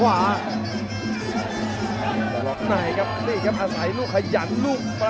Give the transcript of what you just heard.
มาแล้วครับยอดบัตรศึกสะยับยันเน้นที่เข่า